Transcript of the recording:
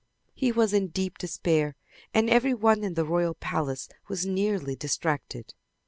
He was in deep despair, and every one in the royal palace was nearly distracted.